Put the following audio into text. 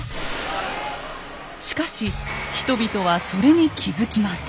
しかし人々はそれに気づきます。